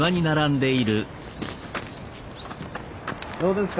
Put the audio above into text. どうですか？